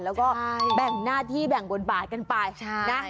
แล้วก็แบ่งหน้าที่แบ่งบทบาทกันไปนะ